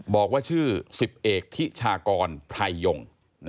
บอกว่าชื่อสิบเอกขี้ชากรไพรยง